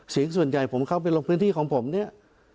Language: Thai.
เสียงส่วนใหญ่ผมเข้าไปลงพื้นที่ของผมเนี่ย